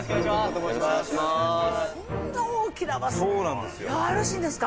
こんな大きなバスよろしいんですか？